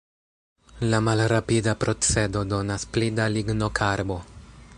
La malrapida procedo donas pli da lignokarbo.